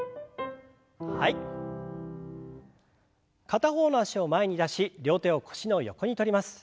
片方の脚を前に出し両手を腰の横に取ります。